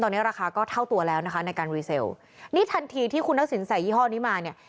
ตอนนี้ราคาก็เท่าตัวแล้วนะคะในการรีเซลนี่ทันทีที่คุณทักษิณใส่ยี่ห้อนี้มาเนี่ย